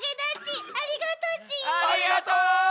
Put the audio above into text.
ありがとう！